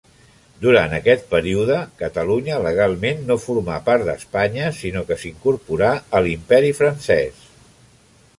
Durant aquest període Catalunya legalment no formà part d'Espanya sinó que s'incorporà a l'Imperi francès.